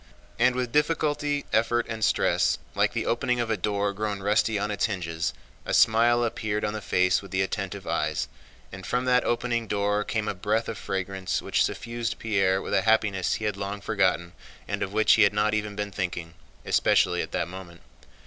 And with difficulty, effort, and stress, like the opening of a door grown rusty on its hinges, a smile appeared on the face with the attentive eyes, and from that opening door came a breath of fragrance which suffused Pierre with a happiness he had long forgotten and of which he had not even been thinking—especially at that moment.